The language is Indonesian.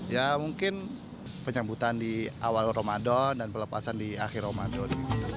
ya mungkin penyambutan di awal ramadan dan pelepasan di akhir ramadan